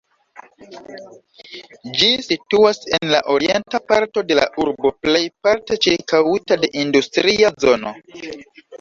Ĝi situas en la orienta parto de la urbo, plejparte ĉirkaŭita de industria zono.